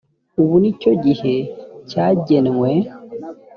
ubu ni cyo gihe cyagenwe